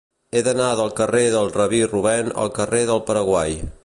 He d'anar del carrer del Rabí Rubèn al carrer del Paraguai.